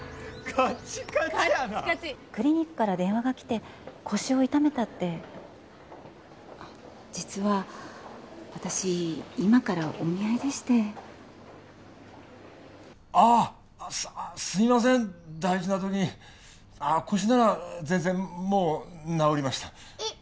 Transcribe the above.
カッチカチクリニックから電話がきて腰を痛めたって実は私今からお見合いでしてああすいません大事な時にああ腰なら全然もう治りましたえっ